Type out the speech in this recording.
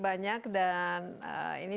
banyak dan ini